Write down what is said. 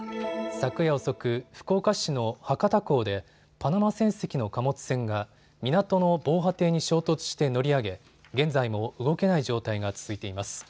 昨夜遅く、福岡市の博多港でパナマ船籍の貨物船が港の防波堤に衝突して乗り上げ現在も動けない状態が続いています。